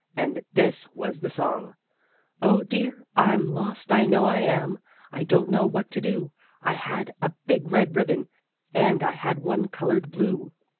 And this was the song: "Oh dear! I'm lost, I know I am, I don't know what to do. I had a big red ribbon, and I had one colored blue.